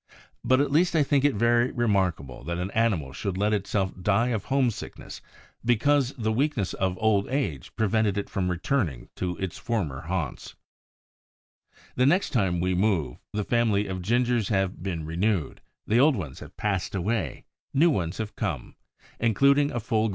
But, at least, I think it very remarkable that an animal should let itself die of homesickness because the weakness of old age prevented it from returning to its former haunts. The next time we move, the family of Gingers have been renewed: the old ones have passed away, new ones have come, including a full grown Tom, worthy in every way of his ancestors.